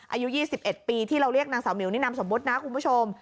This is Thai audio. อายุ๒๑ปีที่เราเรียกนางสาวมิวนี่นามสมมุตินะคุณผู้ชม